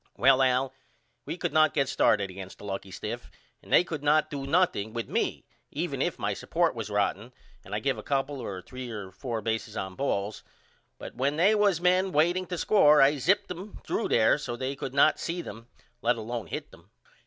Well Al we could not get started against the lucky stiff and they could not do nothing with me even if my suport was rotten and I give a couple or 3 or 4 bases on balls but when they was men waiting to score I zipped them threw there so as they could not see them let alone hit them.